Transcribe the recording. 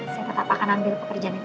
saya tetap akan ambil pekerjaan itu